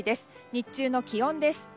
日中の気温です。